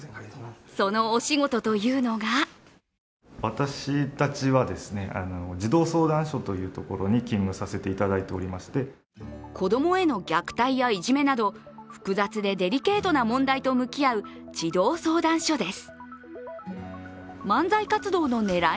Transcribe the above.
そのお仕事というのが子どもへの虐待やいじめなど複雑でデリケートな問題と向き合う児童相談所です。